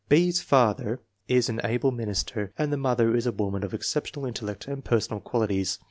B.'s father is an able minister, and the mother is a woman of exceptional intellect and personal qualities.